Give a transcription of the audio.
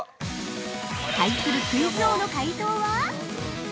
◆対する、クイズ王の解答は？